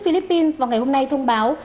philippines vào ngày hôm nay thông báo